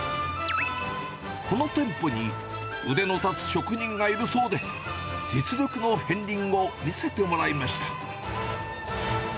この店舗に腕の立つ職人がいるそうで、実力の片りんを見せてもらいました。